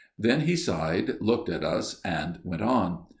Then he sighed, looked at us and went on.